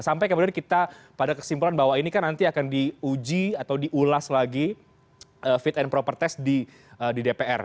sampai kemudian kita pada kesimpulan bahwa ini kan nanti akan diuji atau diulas lagi fit and proper test di dpr